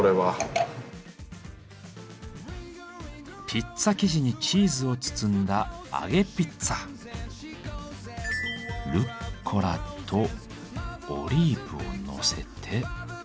ピッツァ生地にチーズを包んだルッコラとオリーブをのせて。